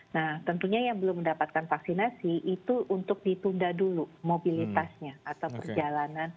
nah tentunya yang belum mendapatkan vaksinasi itu untuk ditunda dulu mobilitasnya atau perjalanan